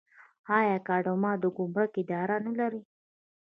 آیا کاناډا د ګمرک اداره نلري؟